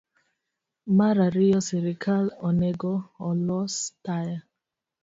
Mar ariyo, sirkal onego olos taya